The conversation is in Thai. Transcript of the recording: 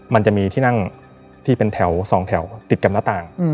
มันจะมีที่นั่งที่เป็นแถว๒แถวติดกับหน้าต่าง